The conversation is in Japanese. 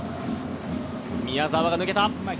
宮澤が抜けた。